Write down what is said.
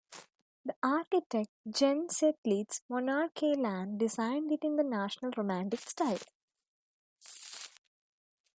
The architect, Jens Zetlitz Monrad Kielland, designed it in the National Romantic style.